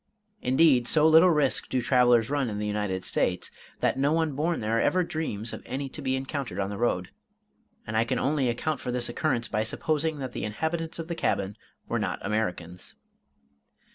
Indeed, so little risk do travelers run in the United States, that no one born there ever dreams of any to be encountered on the road, and I can only account for this occurrence by supposing that the inhabitants of the cabin were not Americans.